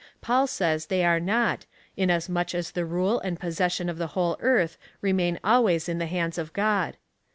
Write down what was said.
Paul says they are not, inas much as the rule and possession of the whole earth remain always in the hands of God.